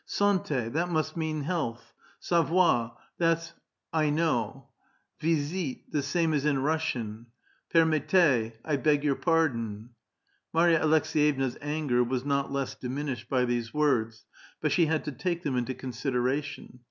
" SanU^ that must mean health ; savoir^ that's ' I know '; visite^ the same as in Russian ; permettez, ' I beg your pardon.' " Marya Aleks^yevna's anger was not less diminished by these words, but she had to take them into consideration.